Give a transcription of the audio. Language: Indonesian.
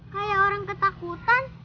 kayak orang ketakutan